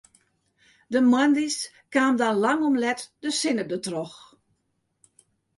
De moandeis kaam dan lang om let de sinne dertroch.